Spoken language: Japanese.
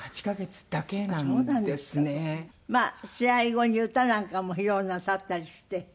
まあ試合後に歌なんかも披露なさったりして。